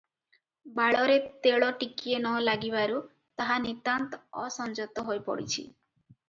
ବାଳରେ ତେଳ ଟିକିଏ ନ ଲାଗିବାରୁ ତାହା ନିତାନ୍ତ ଅସଂଯତ ହୋଇ ପଡ଼ିଚି ।